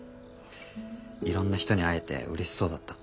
いろんな人に会えてうれしそうだった。